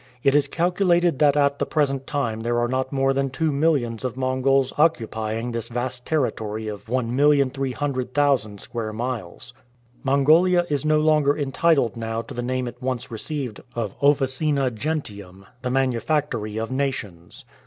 It is calculated that at the present time there are not more than two millions of JVIongols occupy ing this vast territory of 1,300,000 square miles. Mon golia is no longer entitled now to the name it once re ceived of qfficina gentium^ " the manufactory of nations.""